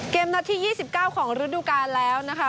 เกมนาทียี่สิบเก้าของฤดูกาแล้วนะคะ